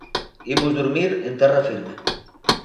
Imos durmir en terra firme.